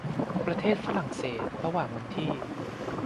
ประเทศฝรั่งเศส ระหว่างวันที่